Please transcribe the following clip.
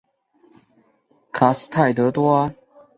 卡斯泰德多阿。